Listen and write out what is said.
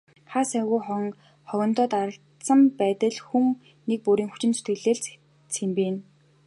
Хаа сайгүй хогондоо дарагдсан байдал хүн нэг бүрийн хүчин зүтгэлээр л цэмцийнэ.